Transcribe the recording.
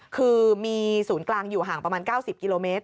คือมีศูนย์กลางอยู่ห่างประมาณ๙๐กิโลเมตร